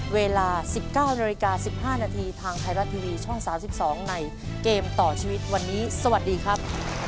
เวลาสิบเก้านาฬิกาสิบห้านาทีทางไทยรัสทีวีช่องสามสิบสองในเกมต่อชีวิตวันนี้สวัสดีครับ